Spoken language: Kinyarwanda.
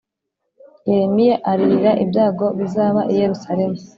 Yeremiya aririra ibyago bizaba i Yerusalemu